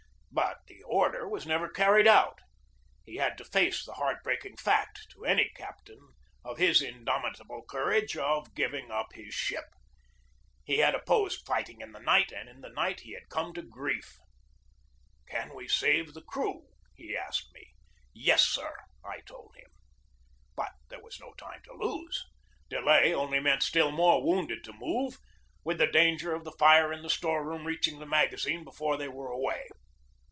But the order was never carried out. He had to face the heart breaking fact, to any captain of his indomitable courage, of giving up his ship. He had opposed fighting in the night and in the night he had come to grief. "Can we save the crew?" he asked me. "Yes, sir!" I told him. But there was no time to lose. Delay only meant still more wounded to move, with the danger of the fire in the store room reaching the magazine before they were away.